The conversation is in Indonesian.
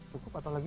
cukup atau lagi